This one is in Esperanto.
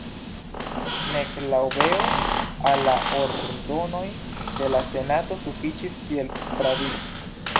Nek la obeo al la ordonoj de la senato sufiĉis kiel pravigo.